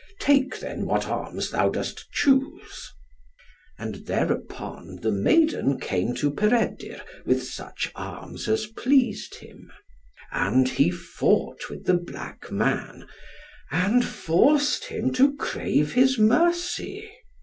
Take, then, what arms thou dost choose." And thereupon the maiden came to Peredur with such arms as pleased him; and he fought with the black man, and forced him to crave his mercy.